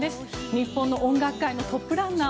日本の音楽界のトップランナー